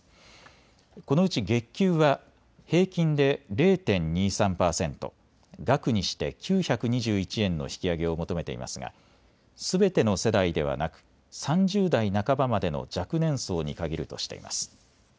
このうち月給は平均で０．２３％、額にして９２１円の引き上げを求めていますがすべての世代ではなく３０代半ばまでの若年層に限るとしています。